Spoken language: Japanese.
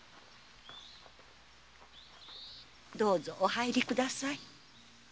どうぞお入り下さい。